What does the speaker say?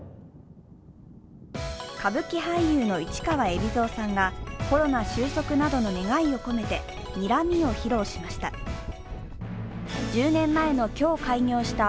歌舞伎俳優の市川海老蔵さんがコロナ収束などの願いを込めて、にらみを披露しました。